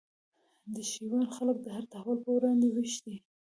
د شېوان خلک د هر تحول پر وړاندي ویښ دي